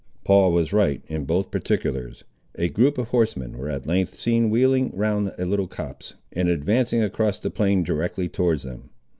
Paul was right in both particulars. A group of horsemen were at length seen wheeling round a little copse, and advancing across the plain directly towards them.